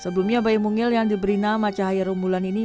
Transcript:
sebelumnya bayi mungil yang diberi nama cahaya rumbulan ini